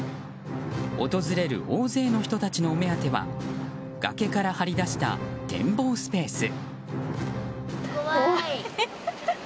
訪れる大勢の人たちのお目当ては崖から張り出した展望スペース。